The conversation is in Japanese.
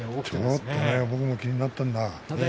ちょっと僕も気になったんだ。